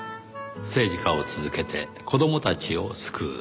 政治家を続けて子供たちを救う。